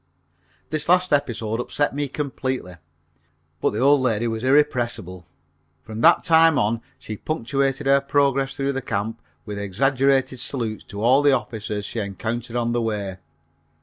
This last episode upset me completely, but the old lady was irrepressible. From that time on she punctuated her progress through the camp with exaggerated salutes to all the officers she encountered on the way.